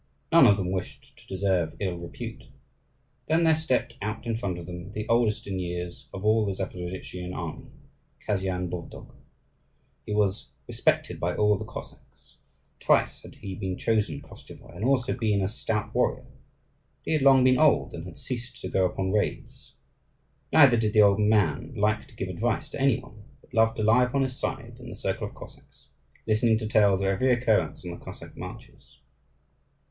None of them wished to deserve ill repute. Then there stepped out in front of them the oldest in years of all the Zaporozhian army, Kasyan Bovdug. He was respected by all the Cossacks. Twice had he been chosen Koschevoi, and had also been a stout warrior; but he had long been old, and had ceased to go upon raids. Neither did the old man like to give advice to any one; but loved to lie upon his side in the circle of Cossacks, listening to tales of every occurrence on the Cossack marches.